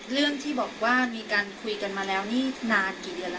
เรื่องที่บอกว่ามีการคุยกันมาแล้วนี่นานกี่เดือนแล้ว